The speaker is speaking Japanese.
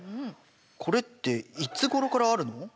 これっていつごろからあるの？